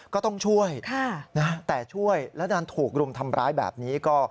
ก็ต้องช่วยแต่ช่วยและดันถูกรุมทำร้ายแบบนี้ก็